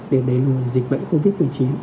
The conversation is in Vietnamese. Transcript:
để đẩy lùi dịch bệnh covid một mươi chín